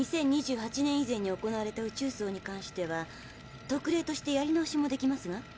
２０２８年以前に行われた宇宙葬に関しては特例としてやり直しもできますが？